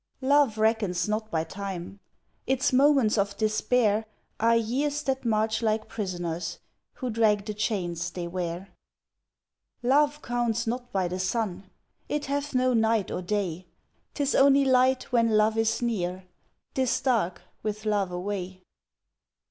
Love reckons not by time its moments of despair Are years that march like prisoners, who drag the chains they wear. Love counts not by the sun it hath no night or day 'Tis only light when love is near 'tis dark with love away.